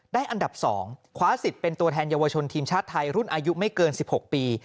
อันดับ๒คว้าสิทธิ์เป็นตัวแทนเยาวชนทีมชาติไทยรุ่นอายุไม่เกิน๑๖ปี